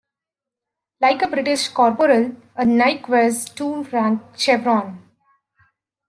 Like a British corporal, a naik wears two rank chevrons.